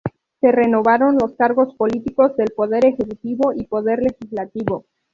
Se renovaron los cargos políticos del Poder Ejecutivo y del Poder Legislativo.